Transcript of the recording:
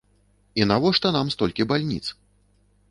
І навошта нам столькі бальніц?